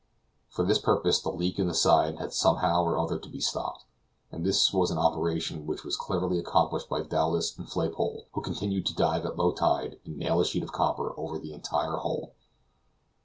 For this purpose the leak in the side had somehow or other to be stopped, and this was an operation which was cleverly accomplished by Dowlas and Flaypole, who contrived to dive at low tide and nail a sheet of copper over the entire hole.